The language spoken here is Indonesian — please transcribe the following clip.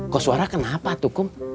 koswara kenapa tuh kum